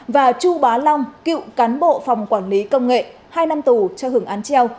và chu bá long cựu cán bộ phòng quản lý công nghệ hai năm tù cho hưởng án treo